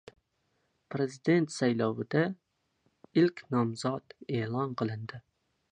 Prezidentlik saylovida ilk nomzod e’lon qilindi